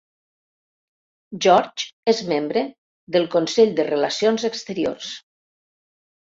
George és membre del Consell de Relacions Exteriors.